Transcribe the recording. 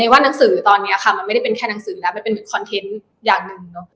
ว่าหนังสือตอนนี้ค่ะมันไม่ได้เป็นแค่หนังสือแล้วมันเป็นเหมือนคอนเทนต์อย่างหนึ่งเนอะ